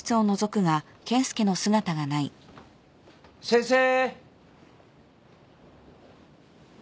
先生。